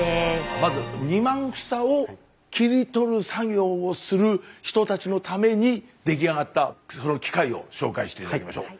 まず２万房を切り取る作業をする人たちのために出来上がったその機械を紹介して頂きましょう。